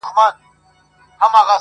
!شینکی آسمانه!